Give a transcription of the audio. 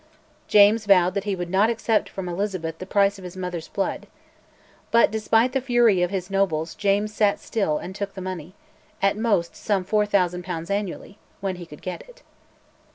James vowed that he would not accept from Elizabeth "the price of his mother's blood." But despite the fury of his nobles James sat still and took the money, at most some 4000 pounds annually, when he could get it.